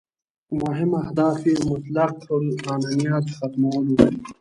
مهم اهداف یې مطلق العنانیت ختمول وو.